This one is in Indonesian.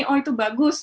oh itu bagus